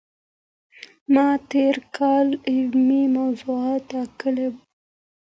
ما تېر کال علمي موضوع ټاکلې وه.